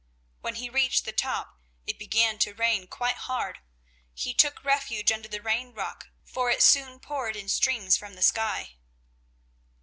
When he reached the top, it began to rain quite hard. He took refuge under the Rain rock, for it soon poured in streams from the sky.